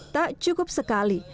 tak cukup sekali